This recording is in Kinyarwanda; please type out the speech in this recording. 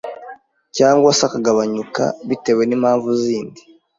cyangwa se akagabanuka bitewe nimpamvu zindi